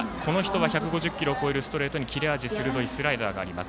１５０キロを超えるストレートに切れ味鋭いスライダーがあります。